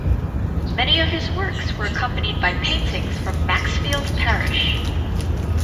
Many of his works were accompanied by paintings from Maxfield Parrish.